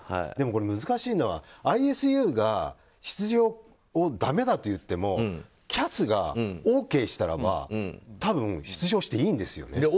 でも、難しいのはＩＳＵが出場をだめだと言ってもＣＡＳがＯＫしたらば多分、出場していいんですよね。